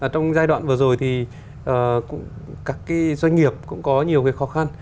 trong giai đoạn vừa rồi thì các doanh nghiệp cũng có nhiều cái khó khăn